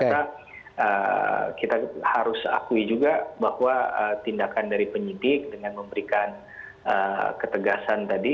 karena kita harus akui juga bahwa tindakan dari penyidik dengan memberikan ketegasan tadi